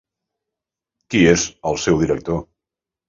Qui és el seu director?